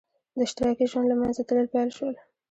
د اشتراکي ژوند له منځه تلل پیل شول.